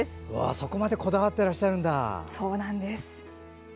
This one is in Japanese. そこまでこだわってらっしゃるんだ。